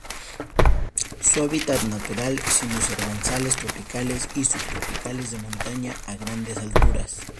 Su hábitat natural sin los herbazales tropicales y subtropicales de montaña a grandes alturas.